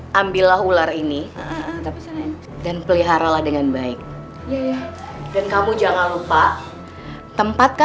kalo aku harus berusaha berusaha berketa